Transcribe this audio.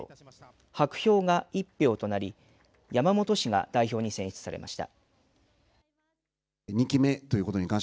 白票が１票となり山本氏が代表に選出されました。